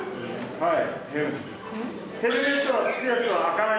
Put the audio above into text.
はい。